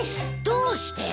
どうして？